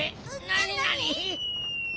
なになに？